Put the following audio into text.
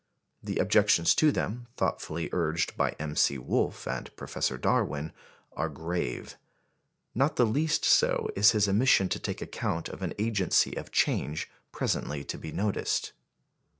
The objections to them, thoughtfully urged by M. C. Wolf and Professor Darwin, are grave. Not the least so is his omission to take account of an agency of change presently to be noticed.